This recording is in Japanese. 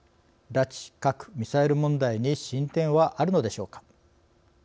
拉致・核・ミサイル問題に進展はあるのでしょうか？